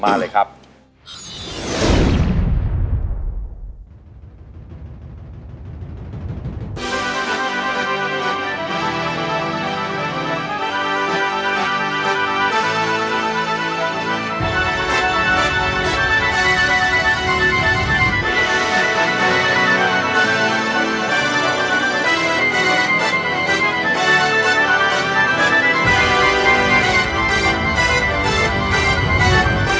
ร้องได้ให้ร้อง